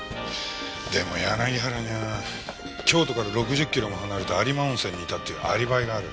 でも柳原には京都から６０キロも離れた有馬温泉にいたっていうアリバイがある。